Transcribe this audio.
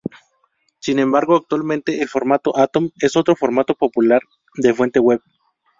Sin embargo, actualmente el formato Atom es otro formato popular de fuente web.